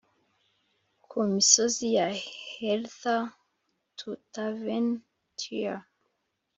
ku misozi ya heather to tavern cheer,